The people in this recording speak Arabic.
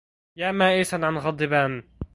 يا مائسا عن غض بان